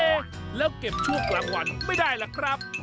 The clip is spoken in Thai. แล้วเก็บช่วงกลางวันไม่ได้ล่ะครับ